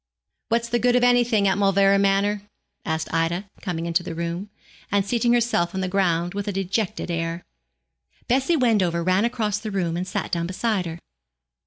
'What's the good of anything at Mauleverer Manor?' asked Ida, coming into the room, and seating herself on the ground with a dejected air. Bessie Wendover ran across the room and sat down beside her.